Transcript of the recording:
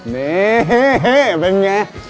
นี่เป็นไง